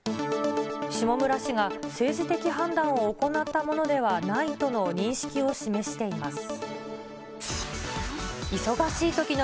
下村氏が、政治的判断を行ったものではないとの認識を示しています。